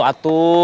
jangan gitu atu